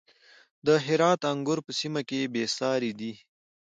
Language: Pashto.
د هرات انګور په سیمه کې بې ساري دي.